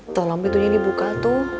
tolong bi itu jadi bukal tuh